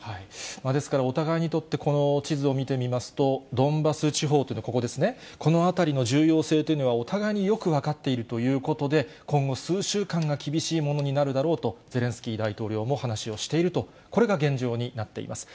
ですからお互いにとってこの地図を見てみますと、ドンバス地方というのはここですね、この辺りの重要性というのは、お互いによく分かっているということで、今後数週間が厳しいものになるだろうと、ゼレンスキー大統領も話をしていると、これが現状になっています。